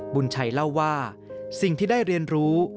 บุญชัยเล่าว่าสิ่งที่ได้เรียนรู้